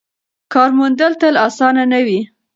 کار موندل تل اسانه نه وي.